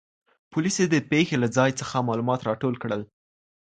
پولیسو د پېښې له ځای څخه معلومات راټول کړل.